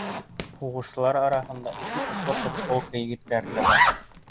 Һуғышсылар араһында Өфө пехота полкы егеттәре лә бар.